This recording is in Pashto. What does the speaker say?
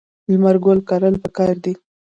لمر ګل کرل پکار دي.